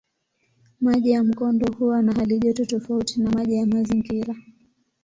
Maji ya mkondo huwa na halijoto tofauti na maji ya mazingira.